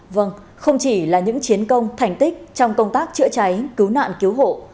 vâng không chỉ là những chiến công thành tích trong công tác chữa cháy cứu nạn cứu hộ